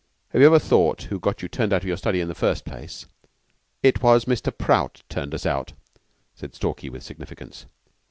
Have you ever thought who got you turned out of your study in the first place?" "It was Mr. Prout turned us out," said Stalky, with significance.